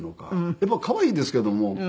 やっぱり可愛いですけども。